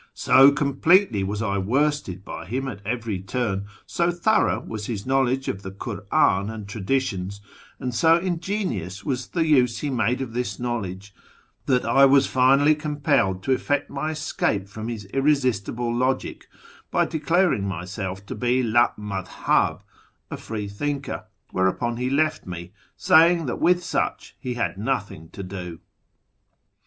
So completely was I worsted by him at every turn, so thorough was his knowledge of the Kur'an and Traditions, and so ingenious was the use he made of this knowledge, that I was finally compelled to effect my escape from his irresistible logic by declaring myself to be Id mazhah (a free thinker) ; whereupon he left me, sapng that wdtli such he had nothing to do."